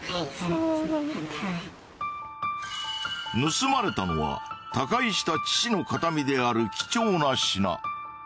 盗まれたのは他界した父の形見である貴重な品。